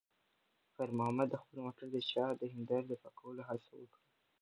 خیر محمد د خپل موټر د شا د هیندارې د پاکولو هڅه وکړه.